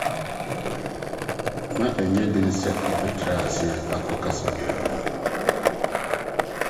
Na ɛnyɛ den sɛ wɔbɛkyerɛ ase akɔ kasa biara mu.